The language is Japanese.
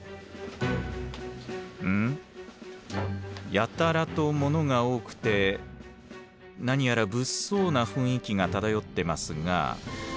やたらとものが多くて何やら物騒な雰囲気が漂ってますが。